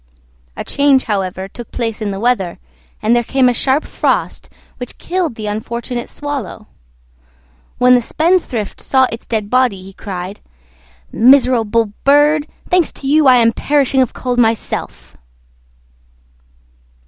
A change, however, took place in the weather, and there came a sharp frost which killed the unfortunate Swallow. When the Spendthrift saw its dead body he cried, "Miserable bird! Thanks to you I am perishing of cold myself."